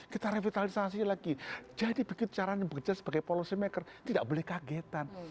kita revitalisasi lagi jadi caranya bekerja sebagai policy maker tidak boleh kagetan